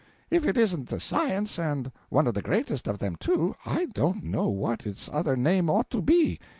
If it isn't a science, and one of the greatest of them, too, I don't know what its other name ought to be.